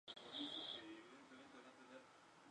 La floración es olorosa con una fuerte fragancia.